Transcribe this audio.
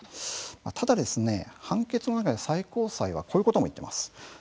ただ、判決の中で最高裁はこういうことも言っています。